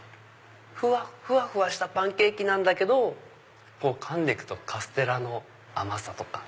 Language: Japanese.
ふわふわしたパンケーキなんだけどかんで行くとカステラの甘さとか。